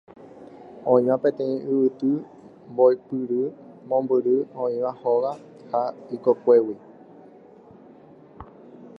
Oĩva peteĩ yvyty mboypýri mombyry oĩva hóga ha ikokuégui.